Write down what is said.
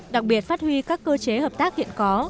đặc biệt phát huy các cơ chế hợp tác hiện có